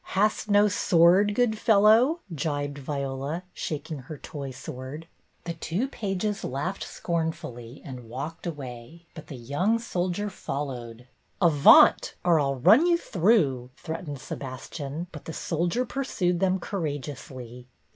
" Hast no sword, good fellow ?" gibed Viola, shaking her toy sword. The two pages laughed scornfully and walked away, but the young soldier followed. " Avaunt, or I'll run you through," threat ened Sebastian ; but the soldier pursued them courageously.